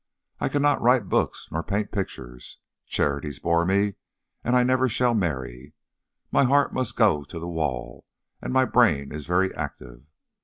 I cannot write books nor paint pictures; charities bore me and I never shall marry. My heart must go to the wall, and my brain is very active.